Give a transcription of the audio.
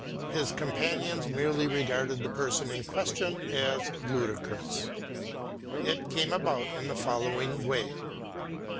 His companions merely regarded the person in question as ludicrous. It came about in the following way.